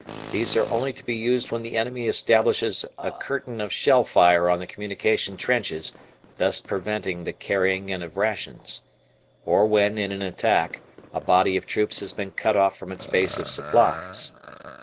These are only to be used when the enemy establishes a curtain of shell fire on the communication trenches, thus preventing the "carrying in" of rations, or when in an attack, a body of troops has been cut off from its base of supplies.